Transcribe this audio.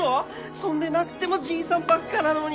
そんでなくてもじいさんばっかなのに！